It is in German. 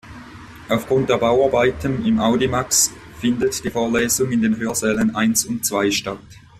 Aufgrund der Bauarbeiten im Audimax findet die Vorlesung in den Hörsälen eins und zwei statt.